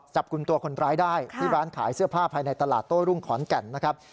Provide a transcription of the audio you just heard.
จับกลุ่มตัวคนร้ายได้ที่ร้านขายเสื้อผ้าภายในตลาดโต้รุ่งขอนแก่นนะครับ